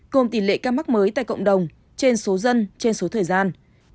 gồm tỉ lệ ca mắc mới tại cộng đồng trên số dân trên số thời gian